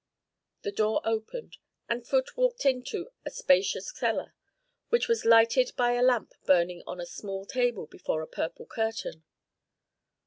The door opened, and Phut walked into a spacious cellar which was lighted by a lamp burning on a small table before a purple curtain.